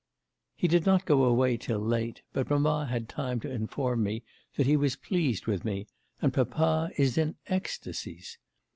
'He did not go away till late; but mamma had time to inform me that he was pleased with me, and papa is in ecstasies.